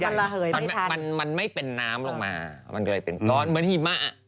มันระเหยมันมันไม่เป็นน้ำลงมามันก็เลยเป็นก้อนเหมือนหิมะอ่ะ